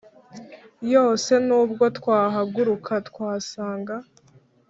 yose, nubwo twahaguruka twasanga